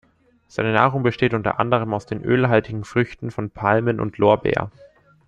Seine Nahrung besteht unter anderem aus den ölhaltigen Früchten von Palmen und Lorbeer.